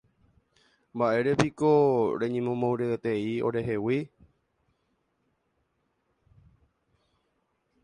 Mba'érepiko reñemomombyryete orehegui.